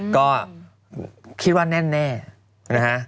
ก็คิดว่าแน่นะฮะ